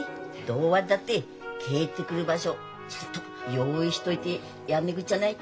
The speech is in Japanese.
どうあったって帰ってくる場所ちゃんと用意しておいてやんねくっちゃない。